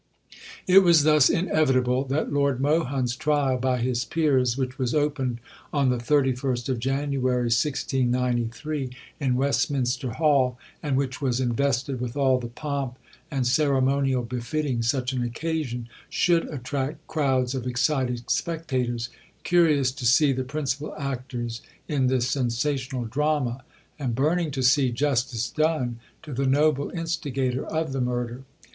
It was thus inevitable that Lord Mohun's trial by his Peers, which was opened on the 31st of January 1693, in Westminster Hall, and which was invested with all the pomp and ceremonial befitting such an occasion, should attract crowds of excited spectators, curious to see the principal actors in this sensational drama, and burning to see justice done to the noble instigator of the murder.